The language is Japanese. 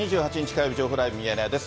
火曜日、情報ライブミヤネ屋です。